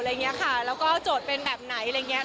แล้วก็โจทย์เป็นแบบไหน